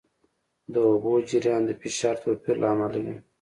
د اوبو جریان د فشار توپیر له امله وي.